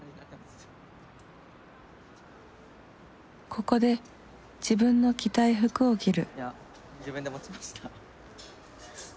ここで自分の着たい服を着る。